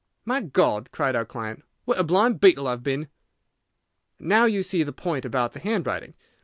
"My God!" cried our client, "what a blind beetle I have been!" "Now you see the point about the handwriting.